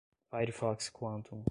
Firefox Quantum